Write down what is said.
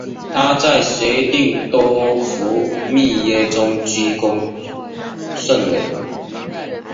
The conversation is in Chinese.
她在协定多佛密约中居功甚伟。